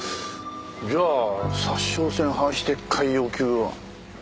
じゃあ札沼線廃止撤回要求は？